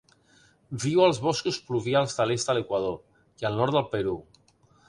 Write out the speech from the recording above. Viu als boscos pluvials de l'est de l'Equador i al nord del Perú.